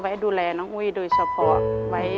วัยดูแลน้องอุ๊ยด้วยเฉพาะ